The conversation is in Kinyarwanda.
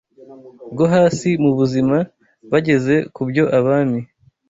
rwo hasi mu buzima bageze ku byo abami